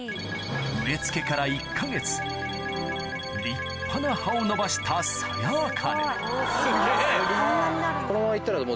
植え付けから１か月立派な葉を伸ばしたさやあかねすげぇ。